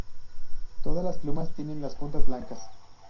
Todas las plumas tienen las puntas blancas.